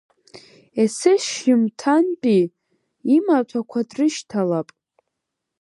Есышьыжьымҭантәи имаҭәақәа дрышьҭалап…